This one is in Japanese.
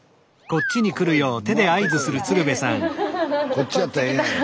こっちやったらええんやろ。